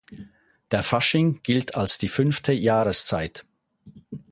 Der Fasching gilt als die "fünfte Jahreszeit".